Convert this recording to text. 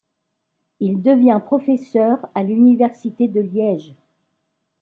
Il devient professeur à l'université de Liège.